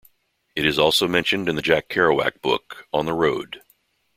It is also mentioned in the Jack Kerouac book "On the Road".